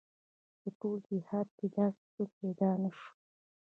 په ټول جهاد کې داسې څوک پيدا نه شو.